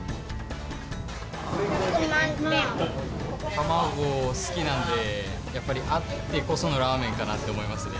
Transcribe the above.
卵好きなんで、やっぱり、あってこそのラーメンかなって思いますね。